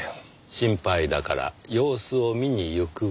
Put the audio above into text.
心配だから様子を見に行くわ。